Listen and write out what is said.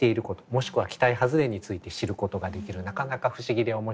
もしくは期待外れについて知ることができるなかなか不思議で面白い絵本です。